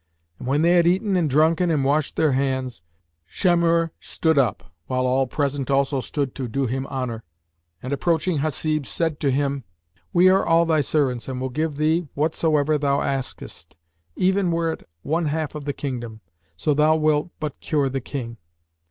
And when they had eaten and drunken and washed their hands, Shamhur stood up (while all present also stood to do him honour) and, approaching Hasib said to him, "We are all thy servants and will give thee whatsoever thou askest, even were it one half the kingdom, so thou wilt but cure the King."